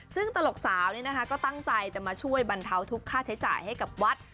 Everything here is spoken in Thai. ซึ่งตลกสาวก็ตั้งใจจะมาช่วยบรรเทาทุกค่าใช้จ่ายให้กับวัด